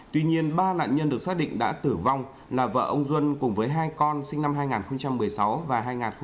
tuy nhiên ba nạn nhân được xác định đã tử vong là vợ ông duân cùng với hai con sinh năm hai nghìn một mươi sáu và hai nghìn một mươi bảy